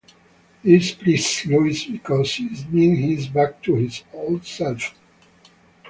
This pleases Lois because it means he is back to his old self.